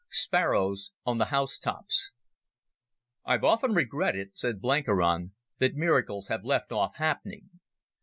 Sparrows on the Housetops "I've often regretted," said Blenkiron, "that miracles have left off happening."